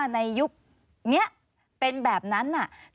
ในยุคเนี่ยเป็นแบบในนั้น